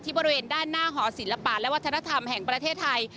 บริเวณด้านหน้าหอศิลปะและวัฒนธรรมแห่งประเทศไทย